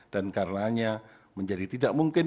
dan karenanya menjadi tidak mungkin